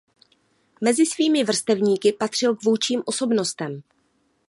Mezi svými vrstevníky patřil k vůdčím osobnostem.